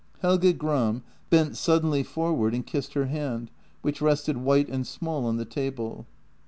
Helge Gram bent suddenly forward and kissed her hand, which rested white and small on the table.